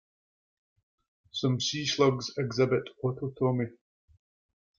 Some sea slugs exhibit autotomy.